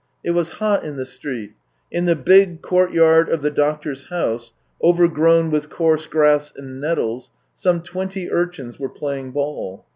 It was hot in the street. In the big courtyard of the doctor's house, over grown with coarse grass and nettles, some twenty urchins were playing ball.